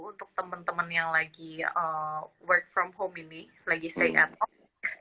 untuk teman teman yang lagi work from home ini lagi stay at home